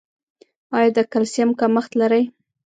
ایا د کلسیم کمښت لرئ؟